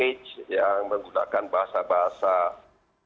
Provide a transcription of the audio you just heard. pesan pesan yang dipakai yang menggunakan bahasa bahasa yang gampang dimulai